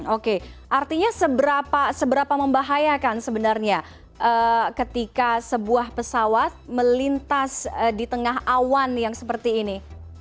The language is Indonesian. oke artinya seberapa membahayakan sebenarnya ketika sebuah pesawat melintas di tengah awan yang seperti ini